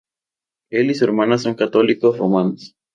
Él y su hermana son Católicos romanos.